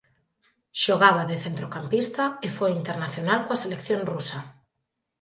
Xogaba de centrocampista e foi internacional coa selección rusa.